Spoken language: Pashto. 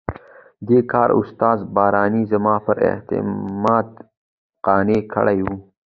دې کار استاد رباني زما پر اعتماد قانع کړی وو.